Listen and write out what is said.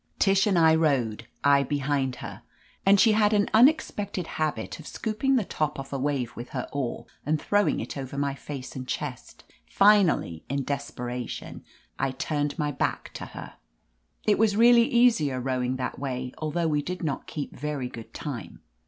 Tish and I rowed, I behind her, and as she had an unexpected habit of scooping the 304 LETITIA CARBERRY top off a wave with her oar and throwing it over my face and chest, finally, in desperation I turned tiiy oack to her. It was really easier rowing that way, although we did not keep very good time.